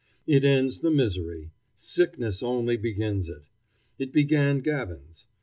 It ends the misery. Sickness only begins it. It began Gavin's.